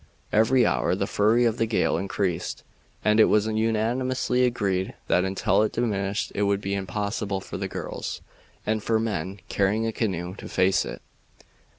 Every hour the fury of the gale increased, and it was unanimously agreed that until it diminished it would be impossible for the girls, and for men carrying a canoe, to face it.